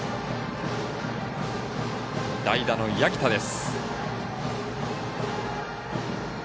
代打の八木田です。